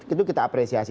itu kita apresiasi